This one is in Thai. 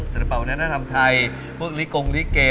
จริงประวัตินักธรรมไทยพวกลิกองลิเกย์